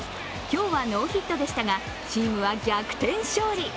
今日はノーヒットでしたがチームは逆転勝利。